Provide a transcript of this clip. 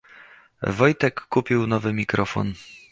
Wojtek kupił nowy mikrofon.